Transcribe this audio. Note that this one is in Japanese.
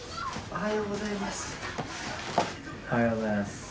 おはようございます。